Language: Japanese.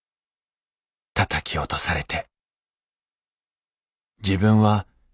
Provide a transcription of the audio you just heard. たたき落とされて。